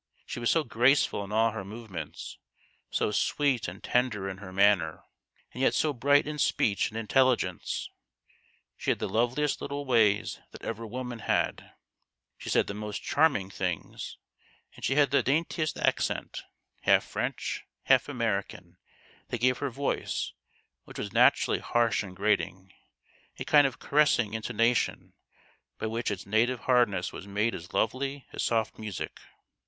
She was so graceful in all her move ments, so sweet and tender in her manner, and yet so bright in speech and intelligence ! She had the loveliest little ways that ever woman had ; she said the most charming things ; and she had the daintiest accent half French, half American that gave her voice, which was naturally harsh and grating, a kind of caressing intonation by which its native hardness was made as lovely as soft music.